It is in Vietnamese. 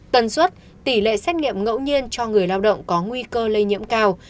tần suất tỷ lệ xét nghiệm ngẫu nhiên cho người lao động có nguy cơ lây nhiễm cao